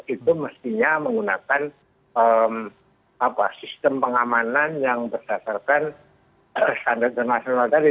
itu mestinya menggunakan sistem pengamanan yang berdasarkan standar internasional tadi